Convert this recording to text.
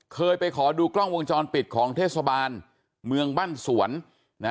เคยไปขอดูกล้องวงจรปิดของเทศบาลเมืองบ้านสวนนะ